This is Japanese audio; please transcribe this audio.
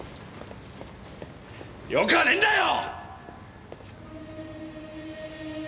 よかねえんだよ！！